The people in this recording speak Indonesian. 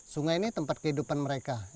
sungai ini tempat kehidupan mereka